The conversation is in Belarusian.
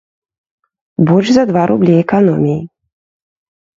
Больш за два рублі эканоміі.